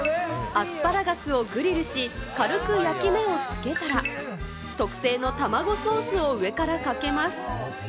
アスパラガスをグリルし、軽く焼き目をつけたら、特製のたまごソースを上からかけます。